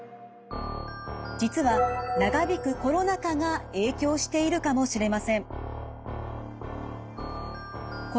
実は長引くコロナ禍が影響しているかもしれません。